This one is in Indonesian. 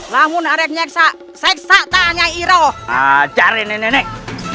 lalu narik nyeksa seksa tanya iroh cari nenek